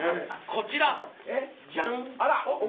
こちらジャン！